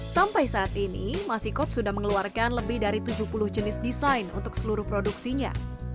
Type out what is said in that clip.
sampai saat ini masikot sudah mengeluarkan lebih dari tujuh puluh jenis desain untuk seluruh produksinya